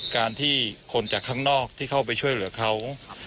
การที่คนจากข้างนอกที่เข้าไปช่วยเหลือเขา